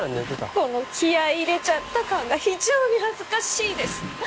この気合い入れちゃった感が非常に恥ずかしいです